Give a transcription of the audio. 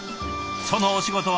そのお仕事は。